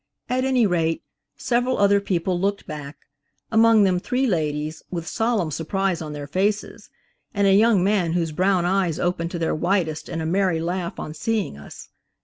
At any rate several other people looked back, among them three ladies, with solemn surprise on their faces, and a young man whose brown eyes opened to their widest in a merry laugh on seeing us.